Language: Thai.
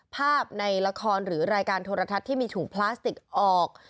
ภาพในละครหรือรายการโทรทัศน์ที่มีถุงพลาสติกออก